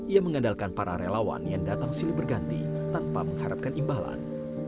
ia mengandalkan para relawan yang datang silih berganti tanpa mengharapkan imbalan